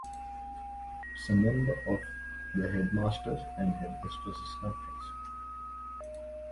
It is a member of the Headmasters' and Headmistresses' Conference.